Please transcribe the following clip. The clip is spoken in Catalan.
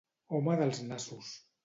Home dels nassos.